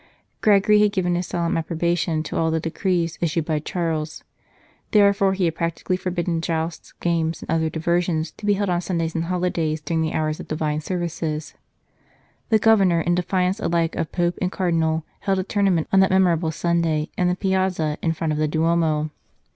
Gregory had given his solemn approba tion to all the decrees issued by Charles ; therefore he had practically forbidden jousts, games, and other diversions, to be held on Sundays and holidays during the hours of Divine service. The Governor, in defiance alike of Pope and Cardinal, held a tournament on that memorable Sunday in the piazza in front of the Duomo.